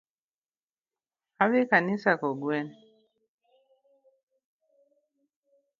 Adhi kanisa kogwen